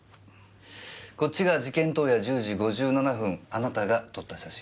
こっちが事件当夜１０時５７分あなたが撮った写真。